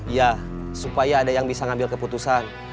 ya supaya ada yang bisa ngambil keputusan